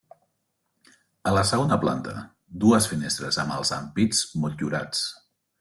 A la segona planta, dues finestres amb els ampits motllurats.